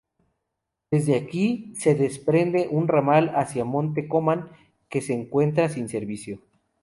Desde aquí se desprende un ramal hacia Monte Comán que se encuentra sin servicio.